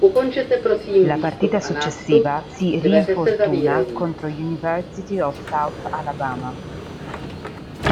La partita successiva si ri-infortuna contro University of South Alabama.